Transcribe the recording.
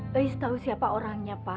lois tahu siapa orangnya pak